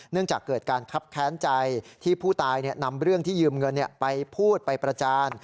จากเกิดการคับแค้นใจที่ผู้ตายนำเรื่องที่ยืมเงินไปพูดไปประจาน